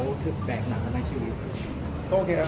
รู้สึกว่าได้ช่วยเขาให้โอกาสค่ะ